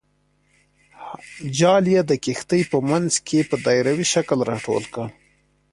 جال یې د کښتۍ په منځ کې په دایروي شکل راټول کړ.